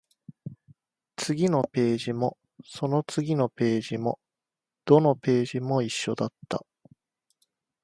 次のページも、その次のページも、どのページも一緒だった